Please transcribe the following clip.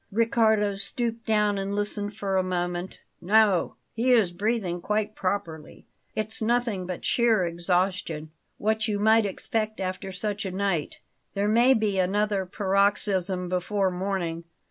Riccardo stooped down and listened for a moment. "No; he is breathing quite properly; it's nothing but sheer exhaustion what you might expect after such a night. There may be another paroxysm before morning.